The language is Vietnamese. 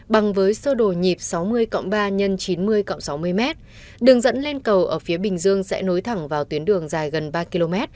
bằng với sơ đồ nhịp sáu mươi ba x chín mươi sáu mươi m đường dẫn lên cầu ở phía bình dương sẽ nối thẳng vào tuyến đường dài gần ba km